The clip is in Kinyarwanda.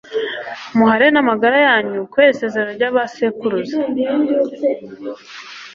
muhare n'amagara yanyu kubera isezerano ry'abasekuruza